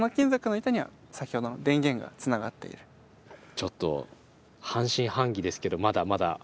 ちょっと半信半疑ですけどまだまだ。